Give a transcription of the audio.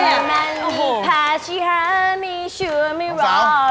จ๊อมงานนี่แภดทิฮะมีชุมเบราบปาก